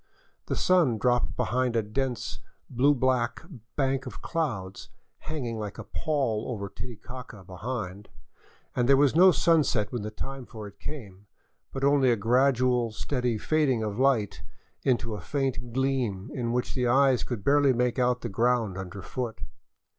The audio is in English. The sun dropped behind a dense, blue black bank of clouds hanging like a pall over Titicaca behind, and there was no sunset when the time for it came, but only a gradual, steady fading of light to a faint gleam in which the eyes could barely make out the ground underfoot.